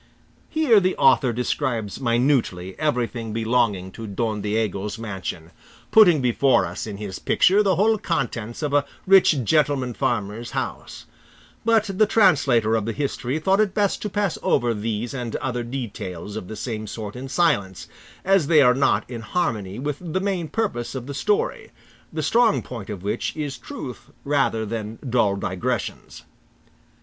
Here the author describes minutely everything belonging to Don Diego's mansion, putting before us in his picture the whole contents of a rich gentleman farmer's house; but the translator of the history thought it best to pass over these and other details of the same sort in silence, as they are not in harmony with the main purpose of the story, the strong point of which is truth rather than dull digressions.